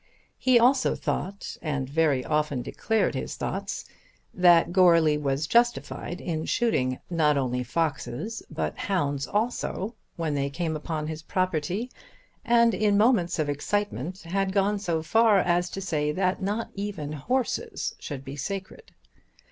He also thought, and very often declared his thoughts, that Goarly was justified in shooting not only foxes but hounds also when they came upon his property, and in moments of excitement had gone so far as to say that not even horses should be held sacred.